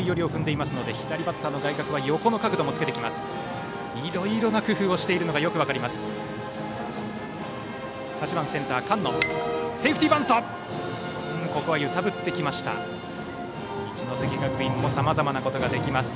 いろいろな工夫をしているのがよく分かります。